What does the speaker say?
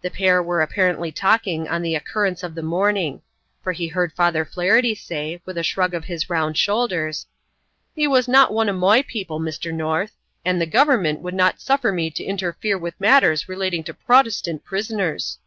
The pair were apparently talking on the occurrence of the morning, for he heard Father Flaherty say, with a shrug of his round shoulders, "He woas not one of moi people, Mr. North, and the Govermint would not suffer me to interfere with matters relating to Prhotestint prisoners."